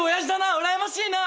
うらやましいなぁ！